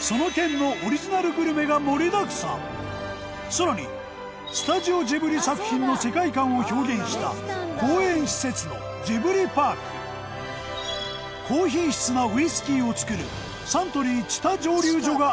その県のさらにスタジオジブリ作品の世界観を表現した公園施設のジブリパーク高品質なウイスキーを造るサントリー知多蒸溜所がある県。